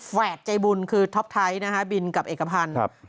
แวดใจบุญคือท็อปไทยนะฮะบินกับเอกพันธ์ครับ